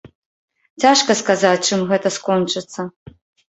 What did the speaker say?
Цяжка сказаць, чым гэта скончыцца.